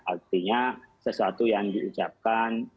artinya sesuatu yang diucapkan